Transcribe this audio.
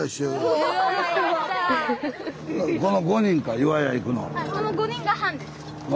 この５人か岩屋へ行くのは。